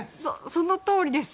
そのとおりです。